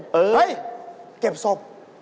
เฮ้ยเก็บศพ